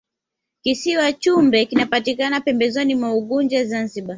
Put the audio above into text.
kisiwa chumbe kinapatikana pembezoni mwa unguja zanzibar